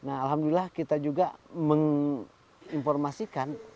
alhamdulillah kita juga menginformasikan